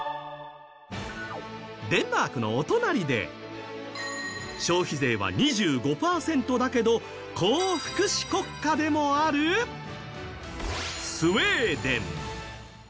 デンマークのお隣で消費税は２５％だけど高福祉国家でもあるスウェーデン。